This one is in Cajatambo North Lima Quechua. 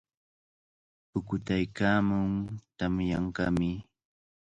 Pukutaykaamun, tamyanqami.